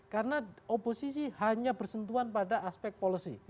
karena oposisi hanya bersentuhan pada aspek policy